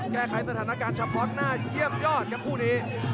แก้ไขสถานการณ์เฉพาะหน้าเยี่ยมยอดครับคู่นี้